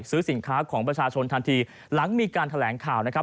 ซื้อสินค้าของประชาชนทันทีหลังมีการแถลงข่าวนะครับ